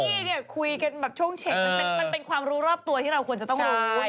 เนี่ยคุยกันแบบช่วงเช็คมันเป็นความรู้รอบตัวที่เราควรจะต้องรู้